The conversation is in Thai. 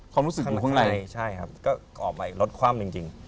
ความรู้สึกข้างอยู่ข้างในใช่ครับก็ออกไปรถคว่ำจริง